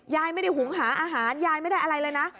ยายไม่ได้หุงหาอาหารยายไม่ได้อะไรเลยนะ